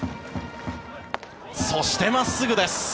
そして真っすぐです。